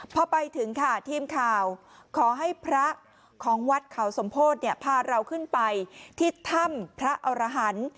พอไปถึงทีมข่าวขอให้พนธุ์ของวัดเขาสมโพธิพาขึ้นไปที่ธรรมพระอรหาร